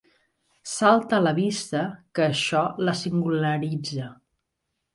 Salta a la vista que això la singularitza.